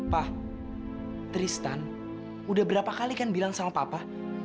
pak tristan udah berapa kali kan bilang sama papa